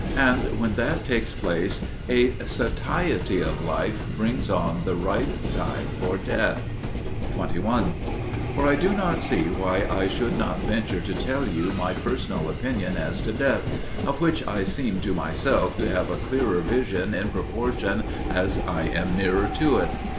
And when that takes place, a satiety of life brings on the ripe time for death. 21. For I do not see why I should not venture to tell you my personal opinion as to death, of which I seem to myself to have a clearer vision in proportion as I am nearer to it.